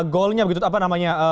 goalnya begitu apa namanya